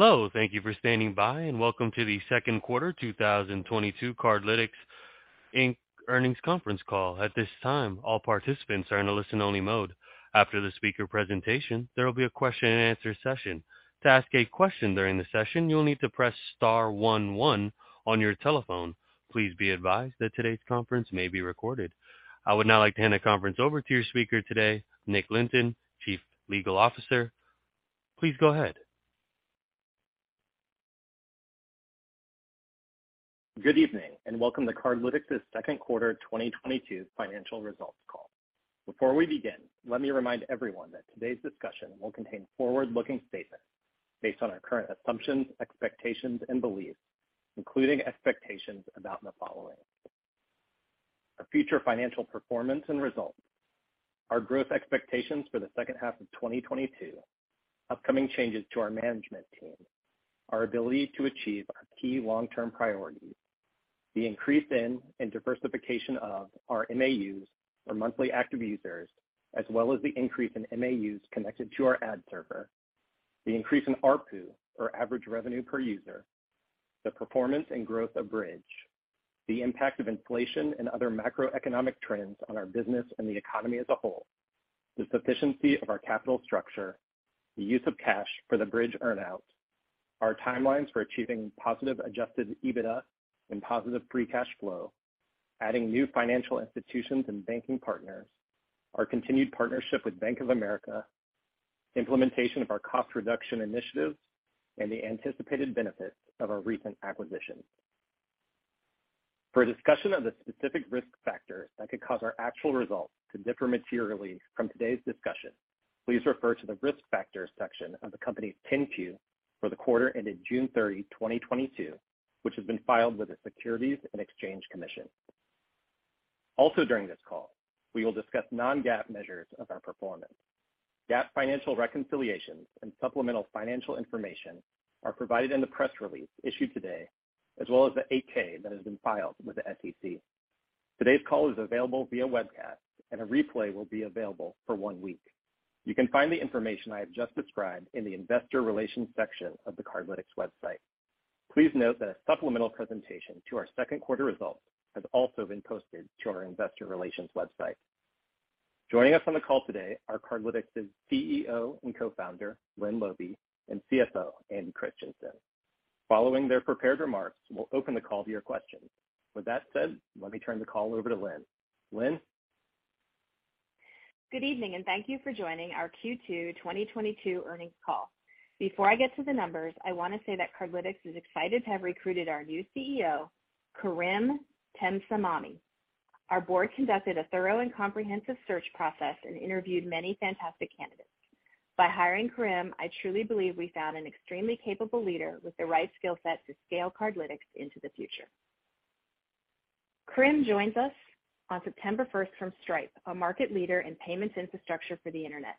Hello, thank you for standing by, and welcome to the Second Quarter 2022 Cardlytics, Inc. Earnings Conference Call. At this time, all participants are in a listen-only mode. After the speaker presentation, there will be a question-and-answer session. To ask a question during the session, you will need to press star one one on your telephone. Please be advised that today's conference may be recorded. I would now like to hand the conference over to your speaker today, Nick Lynton, Chief Legal Officer. Please go ahead. Good evening, and welcome to Cardlytics' Second Quarter 2022 Financial Results Call. Before we begin, let me remind everyone that today's discussion will contain forward-looking statements based on our current assumptions, expectations, and beliefs, including expectations about the following, our future financial performance and results, our growth expectations for the second half of 2022, upcoming changes to our management team, our ability to achieve our key long-term priorities, the increase in and diversification of our MAUs or monthly active users, as well as the increase in MAUs connected to our ad server, the increase in ARPU, or average revenue per user, the performance and growth of Bridg, the impact of inflation and other macroeconomic trends on our business and the economy as a whole, the sufficiency of our capital structure, the use of cash for the Bridg earn-out, our timelines for achieving positive Adjusted EBITDA and positive free cash flow, adding new financial institutions and banking partners, our continued partnership with Bank of America, implementation of our cost reduction initiatives, and the anticipated benefits of our recent acquisitions. For a discussion of the specific risk factors that could cause our actual results to differ materially from today's discussion, please refer to the Risk Factors section of the company's Form 10-Q for the quarter ended June 30, 2022, which has been filed with the Securities and Exchange Commission. Also during this call, we will discuss non-GAAP measures of our performance. GAAP financial reconciliations and supplemental financial information are provided in the press release issued today, as well as the Form 8-K that has been filed with the SEC. Today's call is available via webcast, and a replay will be available for one week. You can find the information I have just described in the Investor Relations section of the Cardlytics website. Please note that a supplemental presentation to our second quarter results has also been posted to our Investor Relations website. Joining us on the call today are Cardlytics' CEO and co-founder, Lynne Laube, and CFO, Andy Christiansen. Following their prepared remarks, we'll open the call to your questions. With that said, let me turn the call over to Lynne. Lynne? Good evening, and thank you for joining our Q2 2022 earnings call. Before I get to the numbers, I want to say that Cardlytics is excited to have recruited our new CEO, Karim Temsamani. Our board conducted a thorough and comprehensive search process and interviewed many fantastic candidates. By hiring Karim, I truly believe we found an extremely capable leader with the right skill set to scale Cardlytics into the future. Karim joins us on September 1st from Stripe, a market leader in payments infrastructure for the Internet.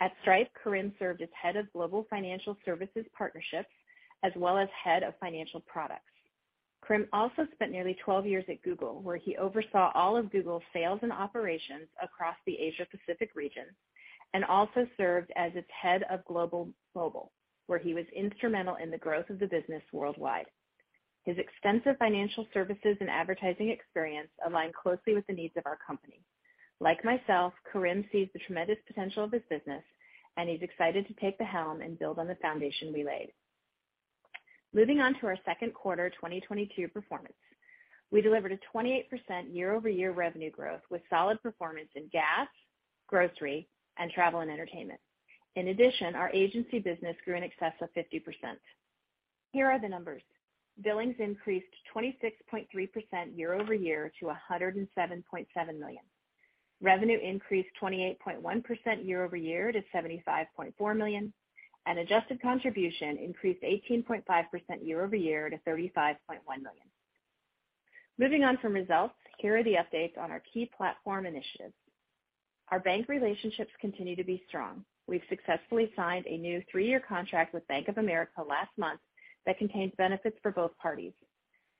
At Stripe, Karim served as Head of Global Financial Services Partnerships, as well as Head of Financial Products. Karim also spent nearly 12 years at Google, where he oversaw all of Google's sales and operations across the Asia Pacific region and also served as its Head of Global Mobile, where he was instrumental in the growth of the business worldwide. His extensive financial services and advertising experience align closely with the needs of our company. Like myself, Karim sees the tremendous potential of this business, and he's excited to take the helm and build on the foundation we laid. Moving on to our second quarter 2022 performance. We delivered a 28% year-over-year revenue growth with solid performance in gas, grocery, and travel and entertainment. In addition, our agency business grew in excess of 50%. Here are the numbers. Billings increased 26.3% year-over-year to $107.7 million. Revenue increased 28.1% year-over-year to $75.4 million, and adjusted contribution increased 18.5% year-over-year to $35.1 million. Moving on from results, here are the updates on our key platform initiatives. Our bank relationships continue to be strong. We've successfully signed a new three-year contract with Bank of America last month that contains benefits for both parties.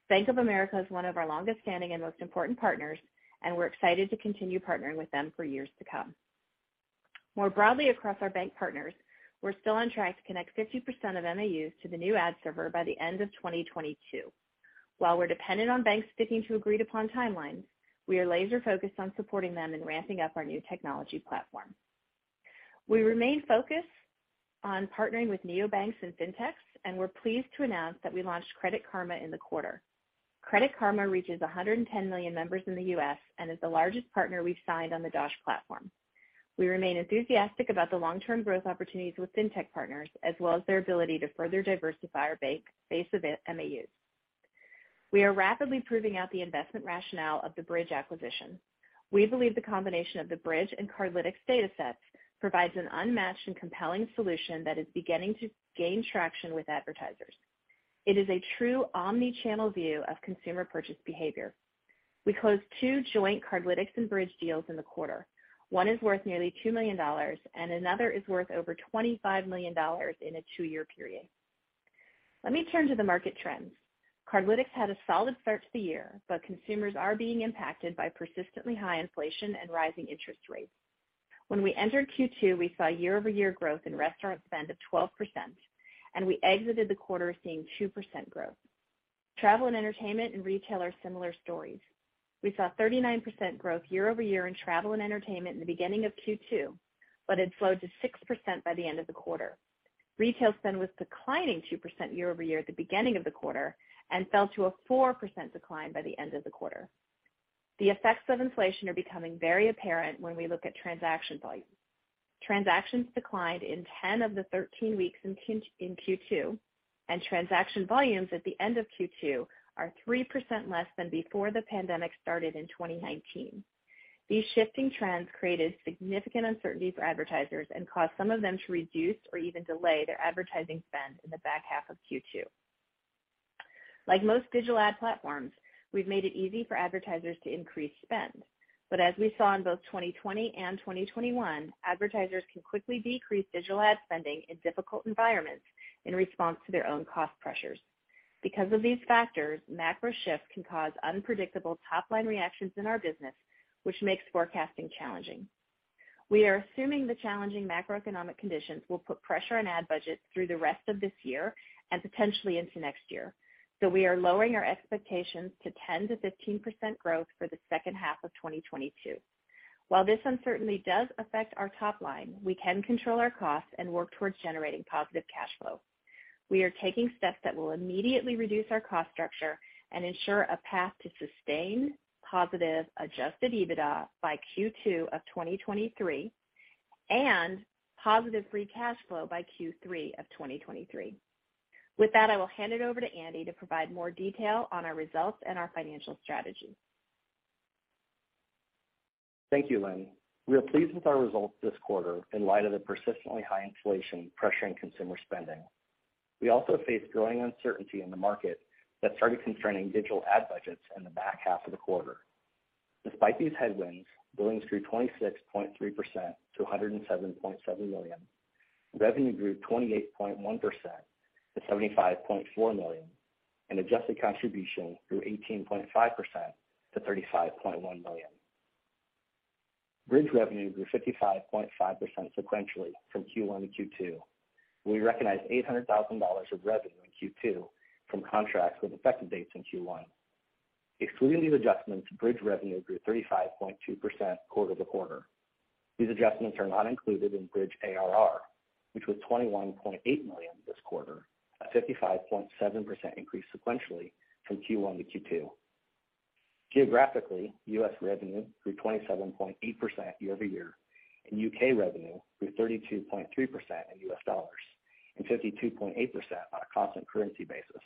Bank of America is one of our longest standing and most important partners, and we're excited to continue partnering with them for years to come. More broadly across our bank partners, we're still on track to connect 50% of MAUs to the new ad server by the end of 2022. While we're dependent on banks sticking to agreed-upon timelines, we are laser-focused on supporting them in ramping up our new technology platform. We remain focused on partnering with neobanks and fintechs, and we're pleased to announce that we launched Credit Karma in the quarter. Credit Karma reaches 110 million members in the U.S. and is the largest partner we've signed on the Dosh platform. We remain enthusiastic about the long-term growth opportunities with fintech partners, as well as their ability to further diversify our bank base of MAUs. We are rapidly proving out the investment rationale of the Bridg acquisition. We believe the combination of the Bridg and Cardlytics datasets provides an unmatched and compelling solution that is beginning to gain traction with advertisers. It is a true omni-channel view of consumer purchase behavior. We closed two joint Cardlytics and Bridg deals in the quarter. One is worth nearly $2 million, and another is worth over $25 million in a two-year period. Let me turn to the market trends. Cardlytics had a solid start to the year, but consumers are being impacted by persistently high inflation and rising interest rates. When we entered Q2, we saw year-over-year growth in restaurant spend of 12%, and we exited the quarter seeing 2% growth. Travel and entertainment and retail are similar stories. We saw 39% growth year-over-year in travel and entertainment in the beginning of Q2, but it slowed to 6% by the end of the quarter. Retail spend was declining 2% year-over-year at the beginning of the quarter and fell to a 4% decline by the end of the quarter. The effects of inflation are becoming very apparent when we look at transaction volume. Transactions declined in 10 of the 13 weeks in Q2, and transaction volumes at the end of Q2 are 3% less than before the pandemic started in 2019. These shifting trends created significant uncertainty for advertisers and caused some of them to reduce or even delay their advertising spend in the back half of Q2. Like most digital ad platforms, we've made it easy for advertisers to increase spend. As we saw in both 2020 and 2021, advertisers can quickly decrease digital ad spending in difficult environments in response to their own cost pressures. Because of these factors, macro shifts can cause unpredictable top-line reactions in our business, which makes forecasting challenging. We are assuming the challenging macroeconomic conditions will put pressure on ad budgets through the rest of this year and potentially into next year. We are lowering our expectations to 10%-15% growth for the second half of 2022. While this uncertainty does affect our top line, we can control our costs and work towards generating positive cash flow. We are taking steps that will immediately reduce our cost structure and ensure a path to sustain positive Adjusted EBITDA by Q2 of 2023 and positive free cash flow by Q3 of 2023. With that, I will hand it over to Andy to provide more detail on our results and our financial strategy. Thank you, Lynne. We are pleased with our results this quarter in light of the persistently high inflation pressuring consumer spending. We also faced growing uncertainty in the market that started constraining digital ad budgets in the back half of the quarter. Despite these headwinds, billings grew 26.3% to $107.7 million. Revenue grew 28.1% to $75.4 million, and adjusted contribution grew 18.5% to $35.1 million. Bridg revenue grew 55.5% sequentially from Q1 to Q2. We recognized $800,000 of revenue in Q2 from contracts with effective dates in Q1. Excluding these adjustments, Bridg revenue grew 35.2% quarter to quarter. These adjustments are not included in Bridg ARR, which was $21.8 million this quarter, a 55.7% increase sequentially from Q1 to Q2. Geographically, U.S. revenue grew 27.8% year-over-year, and U.K. revenue grew 32.3% in U.S. dollars and 52.8% on a constant currency basis.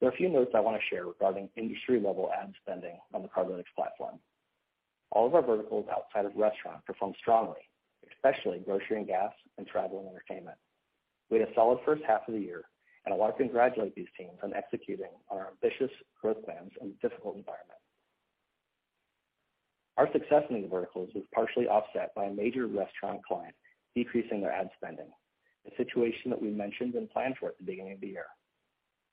There are a few notes I want to share regarding industry-level ad spending on the Cardlytics platform. All of our verticals outside of restaurant performed strongly, especially grocery and gas and travel and entertainment. We had a solid first half of the year, and I want to congratulate these teams on executing on our ambitious growth plans in a difficult environment. Our success in these verticals was partially offset by a major restaurant client decreasing their ad spending, a situation that we mentioned and planned for at the beginning of the year.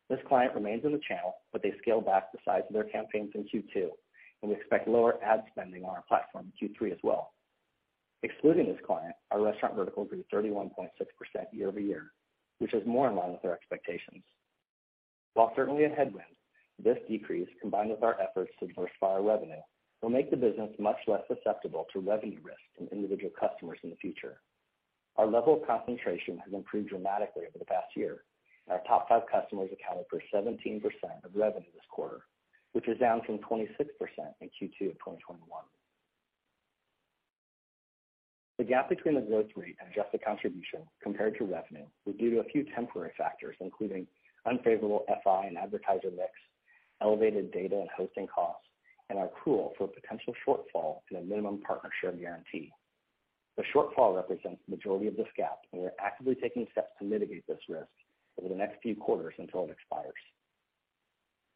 This client remains in the channel, but they scaled back the size of their campaigns in Q2, and we expect lower ad spending on our platform in Q3 as well. Excluding this client, our restaurant vertical grew 31.6% year over year, which is more in line with our expectations. While certainly a headwind, this decrease, combined with our efforts to diversify our revenue, will make the business much less susceptible to revenue risks from individual customers in the future. Our level of concentration has improved dramatically over the past year, and our top five customers accounted for 17% of revenue this quarter, which is down from 26% in Q2 of 2021. The gap between the growth rate and adjusted contribution compared to revenue was due to a few temporary factors, including unfavorable FI and advertiser mix, elevated data and hosting costs, and our accrual for a potential shortfall in a minimum partner share guarantee. The shortfall represents the majority of this gap, and we are actively taking steps to mitigate this risk over the next few quarters until it expires.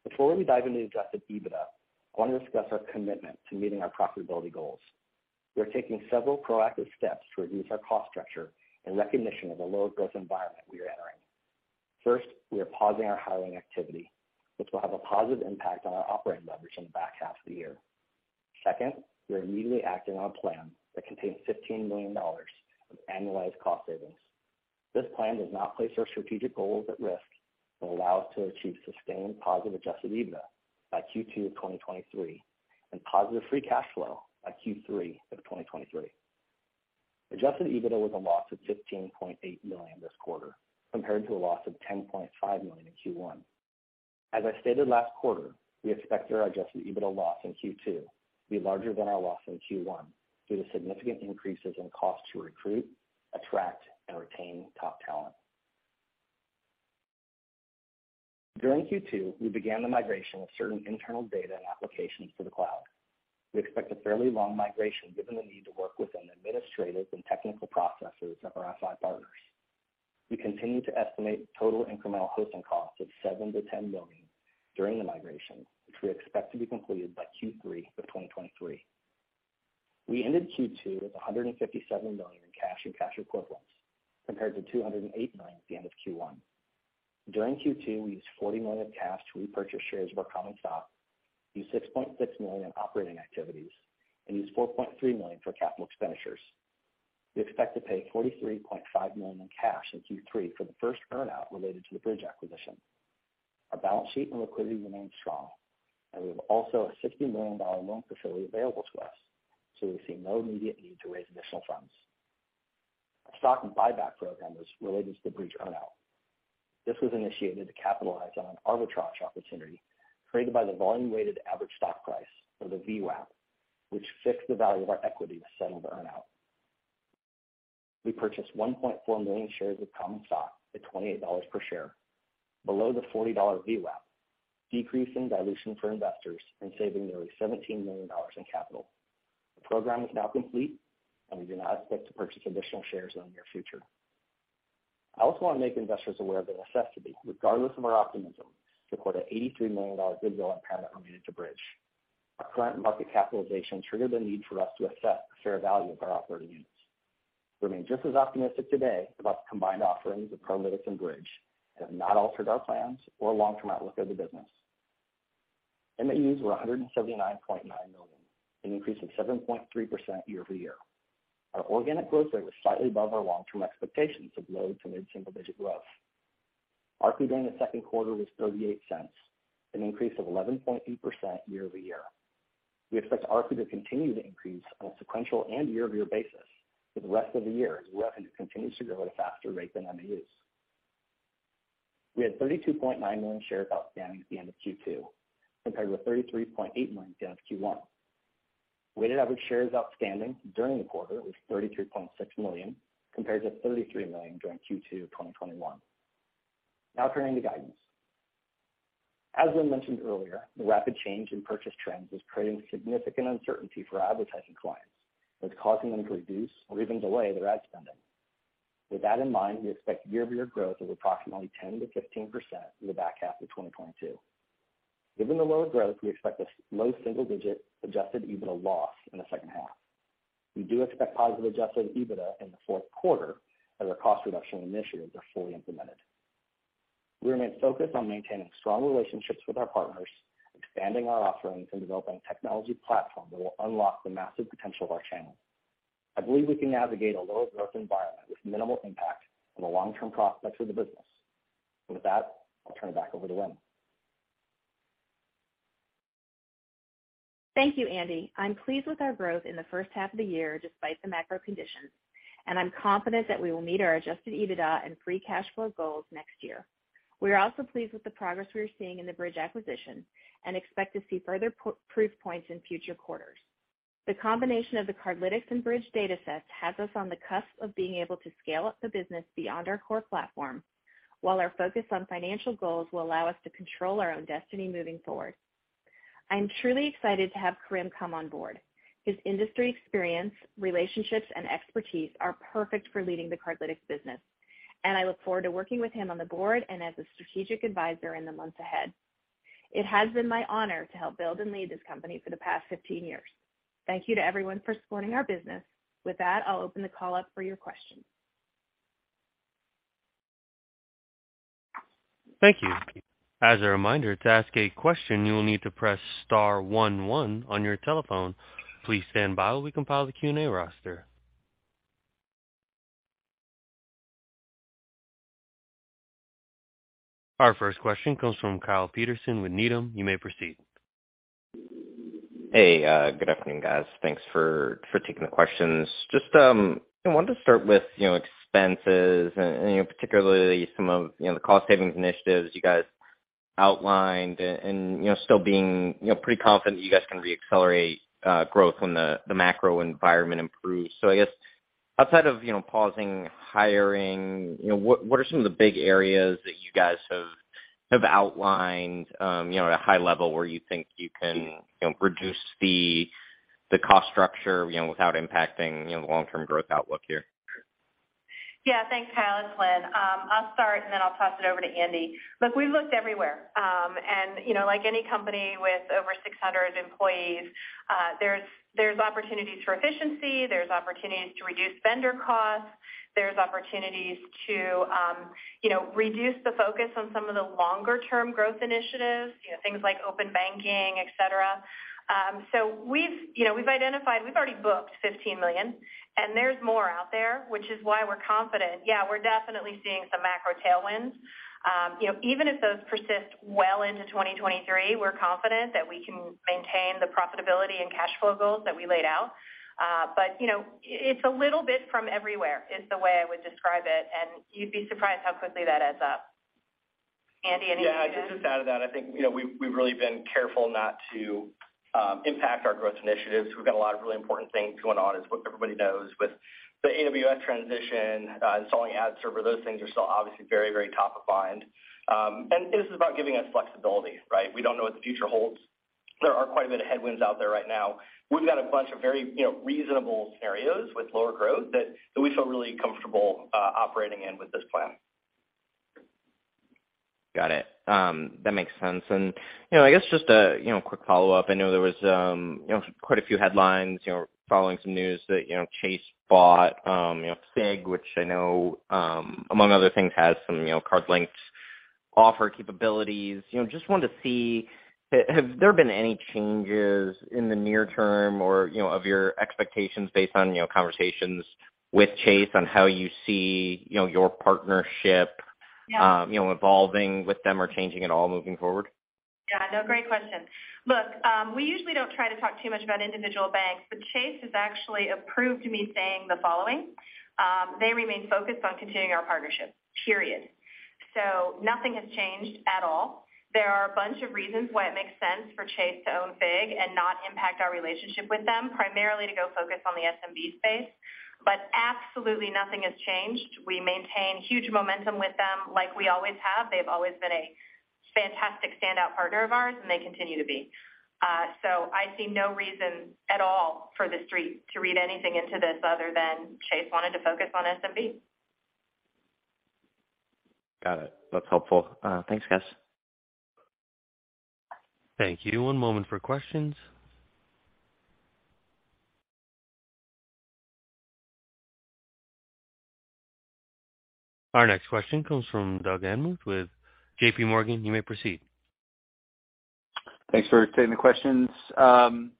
Before we dive into the Adjusted EBITDA, I want to discuss our commitment to meeting our profitability goals. We are taking several proactive steps to reduce our cost structure in recognition of the lower growth environment we are entering. First, we are pausing our hiring activity, which will have a positive impact on our operating leverage in the back half of the year. Second, we are immediately acting on a plan that contains $15 million of annualized cost savings. This plan does not place our strategic goals at risk and will allow us to achieve sustained positive Adjusted EBITDA by Q2 of 2023 and positive free cash flow by Q3 of 2023. Adjusted EBITDA was a loss of $15.8 million this quarter, compared to a loss of $10.5 million in Q1. As I stated last quarter, we expected our Adjusted EBITDA loss in Q2 to be larger than our loss in Q1 due to significant increases in cost to recruit, attract, and retain top talent. During Q2, we began the migration of certain internal data and applications to the cloud. We expect a fairly long migration given the need to work within the administrative and technical processes of our FI partners. We continue to estimate total incremental hosting costs of $7 million-$10 million during the migration, which we expect to be completed by Q3 of 2023. We ended Q2 with $157 million in cash and cash equivalents compared to $208 million at the end of Q1. During Q2, we used $40 million of cash to repurchase shares of our common stock, used $6.6 million in operating activities, and used $4.3 million for capital expenditures. We expect to pay $43.5 million in cash in Q3 for the first earn out related to the Bridg acquisition. Our balance sheet and liquidity remain strong, and we have also a $60 million loan facility available to us, so we see no immediate need to raise additional funds. Our stock and buyback program was related to the Bridg earn out. This was initiated to capitalize on an arbitrage opportunity created by the volume-weighted average stock price or the VWAP, which fixed the value of our equity to settle the earn out. We purchased 1.4 million shares of common stock at $28 per share, below the $40 VWAP, decreasing dilution for investors and saving nearly $17 million in capital. The program is now complete, and we do not expect to purchase additional shares in the near future. I also want to make investors aware of the necessity, regardless of our optimism, to put an $83 million goodwill impairment related to Bridg. Our current market capitalization triggered the need for us to assess the fair value of our operating units. We remain just as optimistic today about the combined offerings of Cardlytics and Bridg, and have not altered our plans or long-term outlook of the business. MAUs were 179.9 million, an increase of 7.3% year-over-year. Our organic growth rate was slightly above our long-term expectations of low to mid-single digit growth. ARPU during the second quarter was $0.38, an increase of 11.8% year-over-year. We expect ARPU to continue to increase on a sequential and year-over-year basis for the rest of the year as revenue continues to grow at a faster rate than MAUs. We had 32.9 million shares outstanding at the end of Q2, compared with 33.8 million at the end of Q1. Weighted average shares outstanding during the quarter was 33.6 million, compared to 33 million during Q2 of 2021. Now turning to guidance. As Lynne mentioned earlier, the rapid change in purchase trends is creating significant uncertainty for our advertising clients, and it's causing them to reduce or even delay their ad spending. With that in mind, we expect year-over-year growth of approximately 10%-15% in the back half of 2022. Given the lower growth, we expect a low single-digit Adjusted EBITDA loss in the second half. We do expect positive Adjusted EBITDA in the fourth quarter as our cost reduction initiatives are fully implemented. We remain focused on maintaining strong relationships with our partners, expanding our offerings, and developing a technology platform that will unlock the massive potential of our channel. I believe we can navigate a low growth environment with minimal impact on the long-term prospects of the business. With that, I'll turn it back over to Lynne. Thank you, Andy. I'm pleased with our growth in the first half of the year despite the macro conditions, and I'm confident that we will meet our Adjusted EBITDA and free cash flow goals next year. We are also pleased with the progress we are seeing in the Bridg acquisition and expect to see further proof points in future quarters. The combination of the Cardlytics and Bridg data sets has us on the cusp of being able to scale up the business beyond our core platform, while our focus on financial goals will allow us to control our own destiny moving forward. I'm truly excited to have Karim come on board. His industry experience, relationships, and expertise are perfect for leading the Cardlytics business, and I look forward to working with him on the board and as a strategic advisor in the months ahead. It has been my honor to help build and lead this company for the past 15 years. Thank you to everyone for supporting our business. With that, I'll open the call up for your questions. Thank you. As a reminder, to ask a question, you will need to press star one one on your telephone. Please stand by while we compile the Q&A roster. Our first question comes from Kyle Peterson with Needham. You may proceed. Hey, good afternoon, guys. Thanks for taking the questions. Just you know wanted to start with you know expenses and particularly some of you know the cost savings initiatives you guys outlined and you know still being you know pretty confident that you guys can reaccelerate growth when the macro environment improves. I guess outside of you know pausing hiring you know what are some of the big areas that you guys have outlined you know at a high level where you think you can you know reduce the cost structure you know without impacting you know the long-term growth outlook here? Yeah. Thanks, Kyle it's Lynne. I'll start, and then I'll toss it over to Andy. Look, we've looked everywhere. You know, like any company with over 600 employees, there's opportunities for efficiency, there's opportunities to reduce vendor costs, there's opportunities to, you know, reduce the focus on some of the longer term growth initiatives, you know, things like open banking, et cetera. We've identified. We've already booked $15 million, and there's more out there, which is why we're confident. Yeah, we're definitely seeing some macro tailwinds. You know, even if those persist well into 2023, we're confident that we can maintain the profitability and cash flow goals that we laid out. You know, it's a little bit from everywhere is the way I would describe it, and you'd be surprised how quickly that adds up. Andy, anything to add? Yeah. I'd just add to that, I think, you know, we've really been careful not to impact our growth initiatives. We've got a lot of really important things going on, as everybody knows with the AWS transition, installing ad server. Those things are still obviously very, very top of mind. This is about giving us flexibility, right? We don't know what the future holds. There are quite a bit of headwinds out there right now. We've got a bunch of very, you know, reasonable scenarios with lower growth that we feel really comfortable operating in with this plan. Got it. That makes sense. I guess just a quick follow-up. I know there was quite a few headlines following some news that Chase bought Figg, which I know, among other things, has some card-linked offer capabilities. Just wanted to see, have there been any changes in the near term or of your expectations based on conversations with Chase on how you see your partnership. Yeah. You know, evolving with them or changing at all moving forward? Yeah, no, great question. Look, we usually don't try to talk too much about individual banks, but Chase has actually approved me saying the following. They remain focused on continuing our partnership, period. Nothing has changed at all. There are a bunch of reasons why it makes sense for Chase to own Figg and not impact our relationship with them, primarily to go focus on the SMB space. Absolutely nothing has changed. We maintain huge momentum with them like we always have. They've always been a fantastic standout partner of ours, and they continue to be. I see no reason at all for The Street to read anything into this other than Chase wanted to focus on SMB. Got it. That's helpful. Thanks, guys. Thank you. One moment for questions. Our next question comes from Doug Anmuth with JPMorgan. You may proceed. Thanks for taking the questions. Lynne, I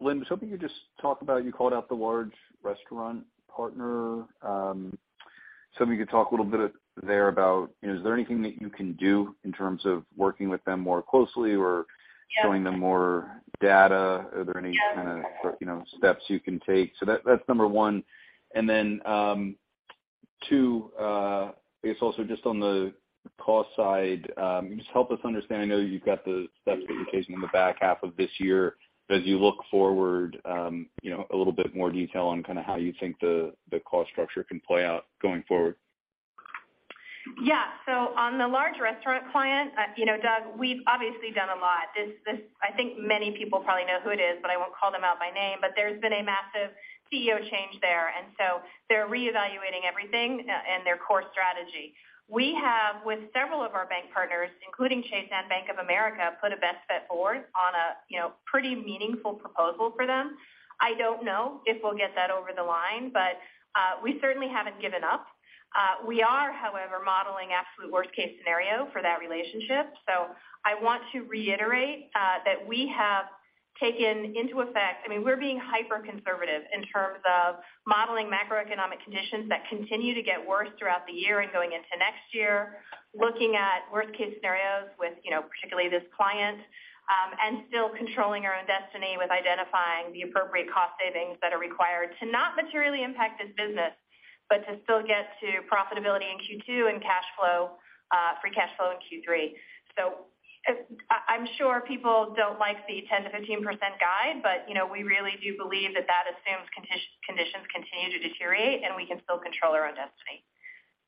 was hoping you could just talk about, you called out the large restaurant partner. Just hoping you could talk a little bit there about, is there anything that you can do in terms of working with them more closely or? Yeah. showing them more data? Are there any kind of, you know, steps you can take? That's number one. Two, I guess also just on the cost side, just help us understand. I know you've got the stats that you're chasing in the back half of this year, but as you look forward, you know, a little bit more detail on kind of how you think the cost structure can play out going forward. Yeah. On the large restaurant client, you know, Doug, we've obviously done a lot. This. I think many people probably know who it is, but I won't call them out by name. There's been a massive CEO change there, and so they're reevaluating everything and their core strategy. We have, with several of our bank partners, including Chase and Bank of America, put our best foot forward on, you know, a pretty meaningful proposal for them. I don't know if we'll get that over the line, but we certainly haven't given up. We are, however, modeling absolute worst-case scenario for that relationship. I want to reiterate that we have taken into account. I mean, we're being hyper-conservative in terms of modeling macroeconomic conditions that continue to get worse throughout the year and going into next year, looking at worst-case scenarios with, you know, particularly this client, and still controlling our own destiny with identifying the appropriate cost savings that are required to not materially impact this business, but to still get to profitability in Q2 and cash flow, free cash flow in Q3. I'm sure people don't like the 10%-15% guide, but, you know, we really do believe that that assumes conditions continue to deteriorate and we can still control our own destiny.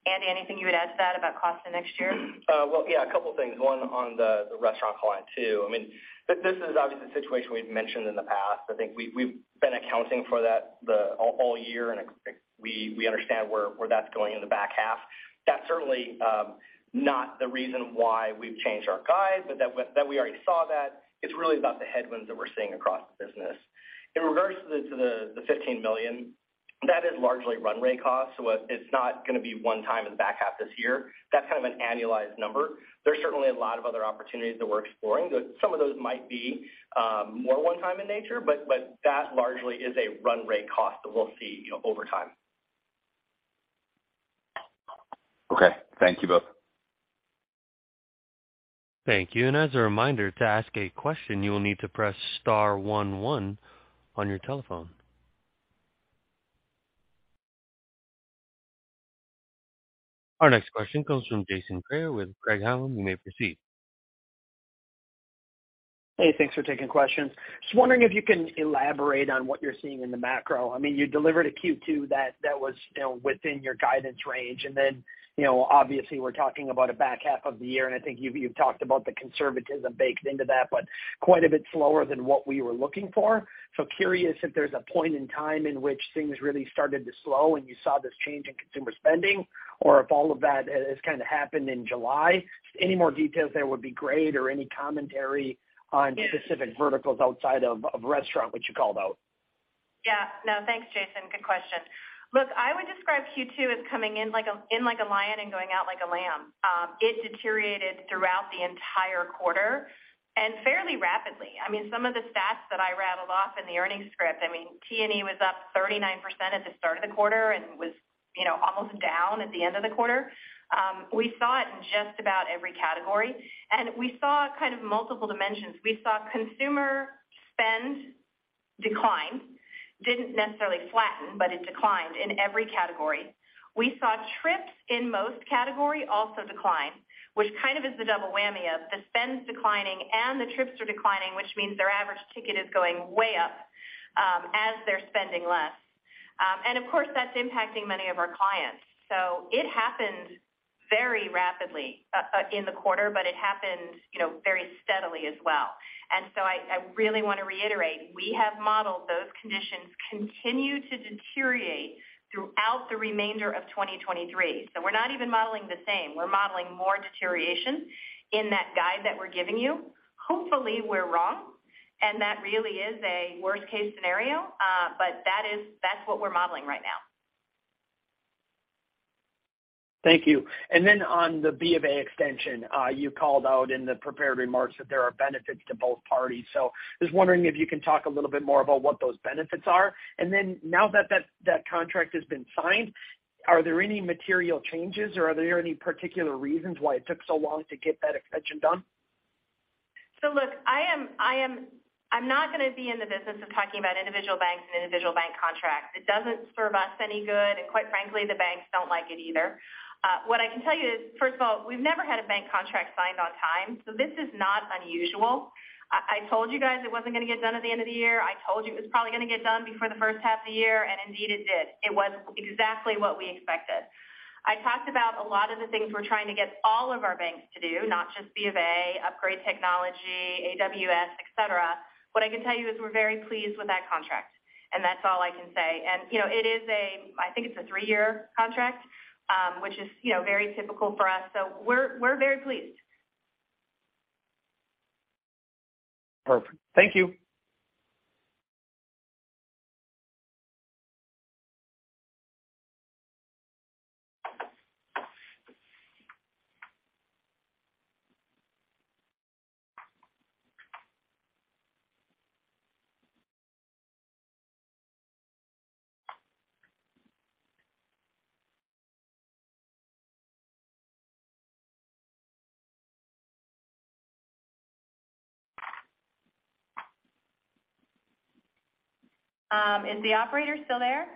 Andy, anything you would add to that about cost in next year? Well, yeah, a couple of things. One on the restaurant client, too. I mean, this is obviously a situation we've mentioned in the past. I think we've been accounting for that all year, and we understand where that's going in the back half. That's certainly not the reason why we've changed our guide, but we already saw that. It's really about the headwinds that we're seeing across the business. In regards to the $15 million, that is largely run rate costs. So it's not gonna be one time in the back half this year. That's kind of an annualized number. There's certainly a lot of other opportunities that we're exploring. Some of those might be more one time in nature, but that largely is a run rate cost that we'll see over time. Okay. Thank you both. Thank you. As a reminder, to ask a question, you will need to press star one one on your telephone. Our next question comes from Jason Kreyer with Craig-Hallum. You may proceed. Hey, thanks for taking questions. Just wondering if you can elaborate on what you're seeing in the macro. I mean, you delivered a Q2 that was, you know, within your guidance range. Then, you know, obviously we're talking about a back half of the year, and I think you've talked about the conservatism baked into that, but quite a bit slower than what we were looking for. Curious if there's a point in time in which things really started to slow and you saw this change in consumer spending or if all of that has kind of happened in July. Any more details there would be great or any commentary on specific verticals outside of restaurant, which you called out. Yeah. No, thanks, Jason. Good question. Look, I would describe Q2 as coming in like a lion and going out like a lamb. It deteriorated throughout the entire quarter and fairly rapidly. I mean, some of the stats that I rattled off in the earnings script, I mean, TNE was up 39% at the start of the quarter and was, you know, almost down at the end of the quarter. We saw it in just about every category, and we saw kind of multiple dimensions. We saw consumer spend decline. Didn't necessarily flatten, but it declined in every category. We saw trips in most categories also decline, which kind of is the double whammy of the spend's declining and the trips are declining, which means their average ticket is going way up, as they're spending less. Of course, that's impacting many of our clients. It happened very rapidly in the quarter, but it happened, you know, very steadily as well. I really wanna reiterate, we have modeled those conditions continue to deteriorate throughout the remainder of 2023. We're not even modeling the same. We're modeling more deterioration in that guide that we're giving you. Hopefully, we're wrong, and that really is a worst-case scenario, but that's what we're modeling right now. Thank you. On the Bank of America extension, you called out in the prepared remarks that there are benefits to both parties. I was wondering if you can talk a little bit more about what those benefits are. Now that that contract has been signed, are there any material changes, or are there any particular reasons why it took so long to get that extension done? Look, I'm not gonna be in the business of talking about individual banks and individual bank contracts. It doesn't serve us any good and quite frankly, the banks don't like it either. What I can tell you is, first of all, we've never had a bank contract signed on time, so this is not unusual. I told you guys it wasn't gonna get done at the end of the year. I told you it was probably gonna get done before the first half of the year, and indeed it did. It was exactly what we expected. I talked about a lot of the things we're trying to get all of our banks to do, not just Bank of America, upgrade technology, AWS, et cetera. What I can tell you is we're very pleased with that contract, and that's all I can say. You know, I think it's a three-year contract, which is, you know, very typical for us. We're very pleased. Perfect. Thank you. Is the operator still there?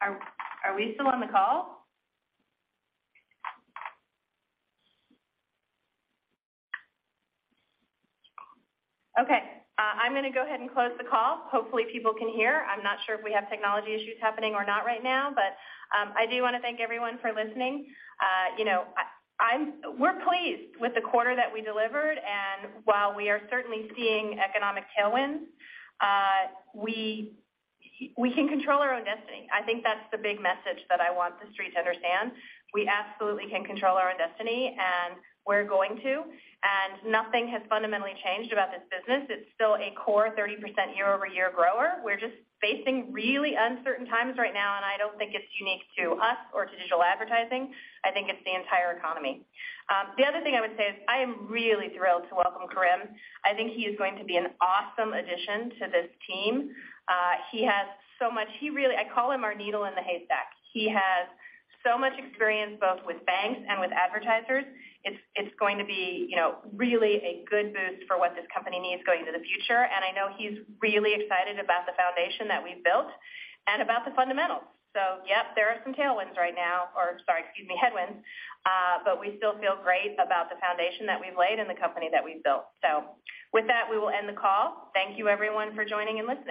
Are we still on the call? Okay. I'm gonna go ahead and close the call. Hopefully, people can hear. I'm not sure if we have technology issues happening or not right now. I do wanna thank everyone for listening. You know, we're pleased with the quarter that we delivered. While we are certainly seeing economic tailwinds, we can control our own destiny. I think that's the big message that I want the street to understand. We absolutely can control our own destiny, and we're going to. Nothing has fundamentally changed about this business. It's still a core 30% year-over-year grower. We're just facing really uncertain times right now, and I don't think it's unique to us or to digital advertising. I think it's the entire economy. The other thing I would say is I am really thrilled to welcome Karim. I think he is going to be an awesome addition to this team. He has so much experience, both with banks and with advertisers. It's going to be, you know, really a good boost for what this company needs going into the future. I know he's really excited about the foundation that we've built and about the fundamentals. Yep, there are some tailwinds right now. Or sorry, excuse me, headwinds. We still feel great about the foundation that we've laid and the company that we've built. With that, we will end the call. Thank you everyone for joining and listening.